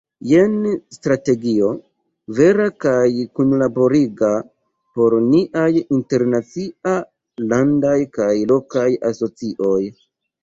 Jen strategio, vera kaj kunlaboriga, por niaj internaciaj, landaj kaj lokaj asocioj.